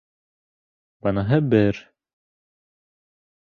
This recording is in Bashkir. Быныһы —бер.